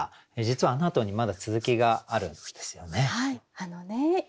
実はあのあとにまだ続きがあるんですよね。